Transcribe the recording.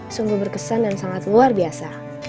sungguh berkesan dan sangat luar biasa